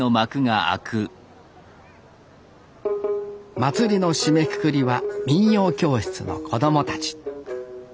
祭りの締めくくりは民謡教室の子供たち。